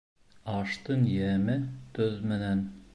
Аштың йәме тоҙ менән